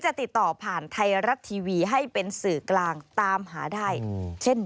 จะติดต่อผ่านไทยรัฐทีวีให้เป็นสื่อกลางตามหาได้เช่น